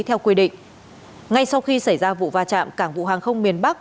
theo quy định ngay sau khi xảy ra vụ va chạm cảng vụ hàng không miền bắc